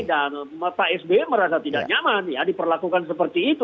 dan pak sby merasa tidak nyaman ya diperlakukan seperti itu